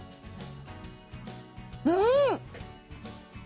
うん！